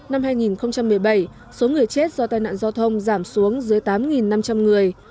năm hai nghìn một mươi bảy số người chết do tai nạn giao thông giảm xuống dưới tám năm trăm linh người